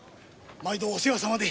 毎度お世話様で。